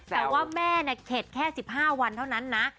แต่ว่าแม่เข็ดแค่๑๕วันเท่านั้นนะ